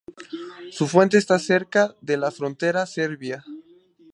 Su fuente está cerca de la frontera serbia.